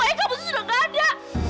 ayah kamu tuh sudah gak ada